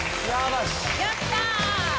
やった！